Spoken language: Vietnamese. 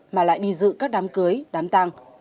mà lại đi dự các đám cưới đám tăng